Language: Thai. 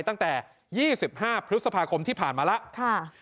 ตั้งแต่๒๕พฤษภาคมที่ผ่านมาแล้ว